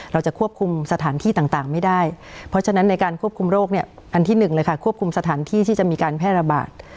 เราจะควบคุมสถานที่ต่างไม่ได้เพราะฉะนั้นในการควบคุมโรคเนี่ยอันที่หนึ่งเลยค่ะควบคุมสถานที่ที่จะมีการแพร่ระบาด